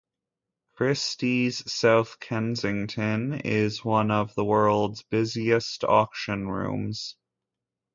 Christie's South Kensington is one of the world's busiest auction rooms.